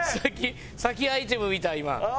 先アイテム見た今。